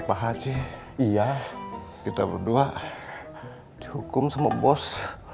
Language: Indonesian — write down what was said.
pak haji iya kita berdua dihukum sama bos